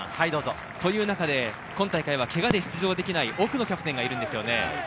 という中で、今大会はケガで出場できない奥野キャプテンがいるんですね。